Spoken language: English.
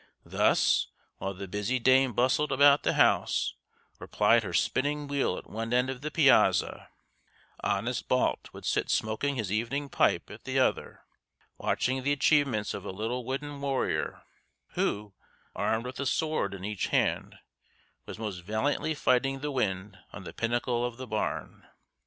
Thus while the busy dame bustled about the house or plied her spinning wheel at one end of the piazza, honest Balt would sit smoking his evening pipe at the other, watching the achievements of a little wooden warrior who, armed with a sword in each hand, was most valiantly fighting the wind on the pinnacle of the barn.